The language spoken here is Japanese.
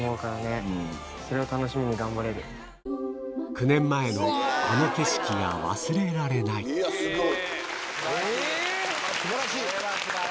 ９年前のあの景色が忘れられない素晴らしい！